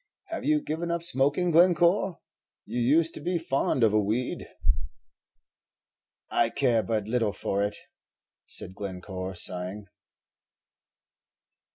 Have you given up smoking, Glencore? you used to be fond of a weed." "I care but little for it," said Glencore, sighing.